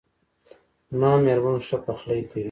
زما میرمن ښه پخلی کوي